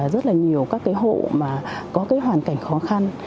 rất là nhiều các cái hộ mà có cái hoàn cảnh khó khăn